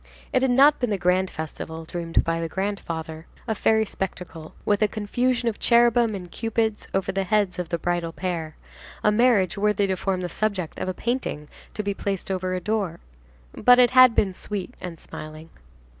It had not been the grand festival dreamed by the grandfather, a fairy spectacle, with a confusion of cherubim and Cupids over the heads of the bridal pair, a marriage worthy to form the subject of a painting to be placed over a door; but it had been sweet and smiling.